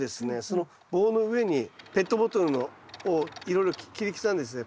その棒の上にペットボトルをいろいろ切り刻んでですね